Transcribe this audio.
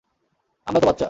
আমরা তো বাচ্চা।